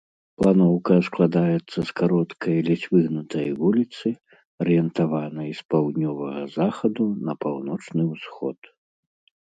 Планоўка складаецца з кароткай, ледзь выгнутай вуліцы, арыентаванай з паўднёвага захаду на паўночны ўсход.